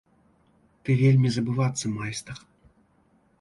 Ты вельмі забывацца майстар!